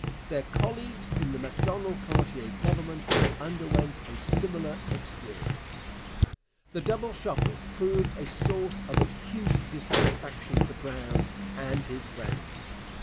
Their colleagues in the Macdonald Cartier Government underwent a similar experience. The 'Double Shuffle' proved a source of acute dissatisfaction to Brown and his friends.